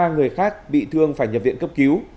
ba người khác bị thương phải nhập viện cấp cứu